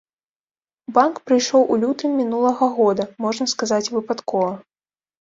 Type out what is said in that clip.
У банк прыйшоў у лютым мінулага года, можна сказаць, выпадкова.